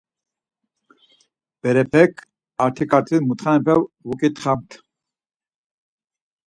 Berepek artiǩatis mutxanepe vuǩitxamt.